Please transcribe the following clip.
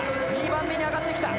２番目に上がって来た！